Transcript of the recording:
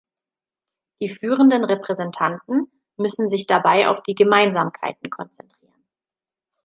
Die führenden Repräsentanten müssen sich dabei auf die Gemeinsamkeiten konzentrieren.